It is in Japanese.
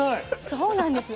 そうなんです。